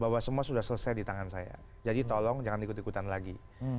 bahwa semua sudah selesai di tangan saya jadi tolong jangan ikut ikutan lagi